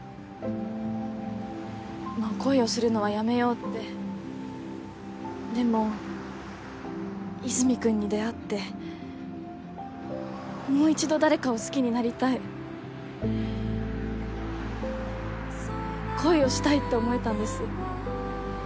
もう恋をするのはやめようってでも和泉君に出会ってもう一度誰かを好きになりたい恋をしたいって思えたんです